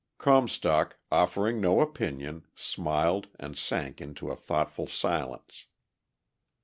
Comstock, offering no opinion, smiled and sank into a thoughtful silence.